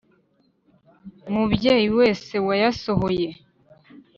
Mubyeyi wese wayasohoye